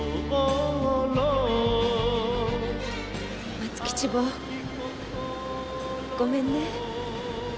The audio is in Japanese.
松吉坊ごめんね。